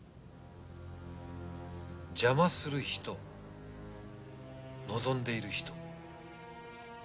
邪魔する人望んでいる人。